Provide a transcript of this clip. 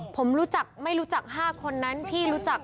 ผมไม่รู้จัก๕คนนั้นพี่รู้จัก